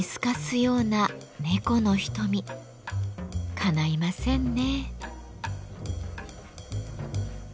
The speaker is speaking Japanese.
かないませんね。